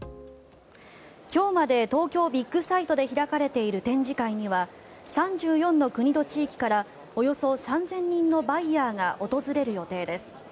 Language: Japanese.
今日まで東京ビッグサイトで開かれている展示会には３４の国と地域からおよそ３０００人のバイヤーが訪れる予定です。